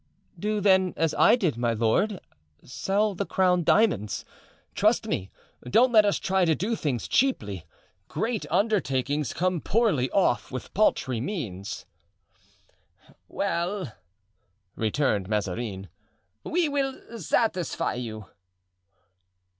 "Do then as I did, my lord. Sell the crown diamonds. Trust me, don't let us try to do things cheaply. Great undertakings come poorly off with paltry means." "Well," returned Mazarin, "we will satisfy you."